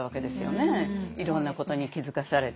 いろんなことに気付かされて。